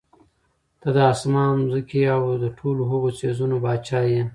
ته د آسمانونو، ځمکي او د ټولو هغو څيزونو باچا ئي